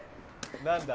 何だ？